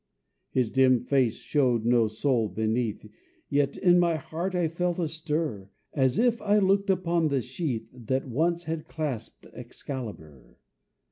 His dim face showed no soul beneath, Yet in my heart I felt a stir, As if I looked upon the sheath That once had clasped Excalibur.